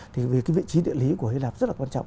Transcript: thì vì cái vị trí địa lý của hy lạp rất là quan trọng